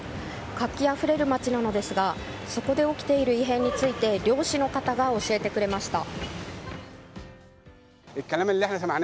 活気あふれる街なのですがそこで起きている異変について漁師の方が教えてくれました。